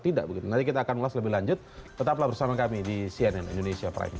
tidak begitu nanti kita akan ulas lebih lanjut tetaplah bersama kami di cnn indonesia prime news